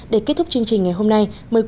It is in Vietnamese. để kết thúc chương trình ngày hôm nay